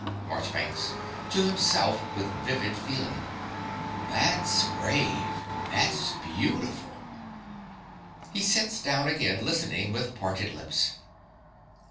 MARCHBANKS (to himself, with vivid feeling). That's brave. That's beautiful. (He sits down again listening with parted lips.)